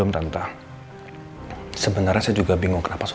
tante yakin sekali kalau